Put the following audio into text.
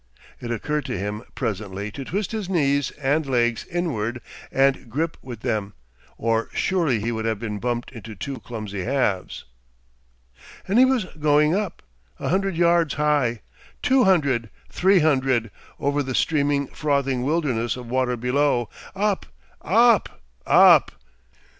It occurred to him presently to twist his knees and legs inward and grip with them, or surely he would have been bumped into two clumsy halves. And he was going up, a hundred yards high, two hundred, three hundred, over the streaming, frothing wilderness of water below up, up, up.